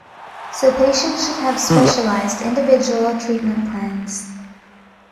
So patients should have specialized individual treatment plans.